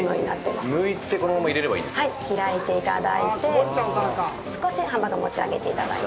開いていただいて、少しハンバーガーを持ち上げていただいて。